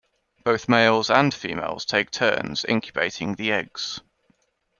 Both males and females take turns incubating the eggs.